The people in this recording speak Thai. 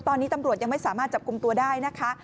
ตอนนี้ตำรวจยังไม่สามารถจับกลุ่มตัวได้นะคะ